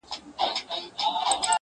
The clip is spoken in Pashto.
• څه رنګه سپوږمۍ ده له څراغه يې رڼا وړې_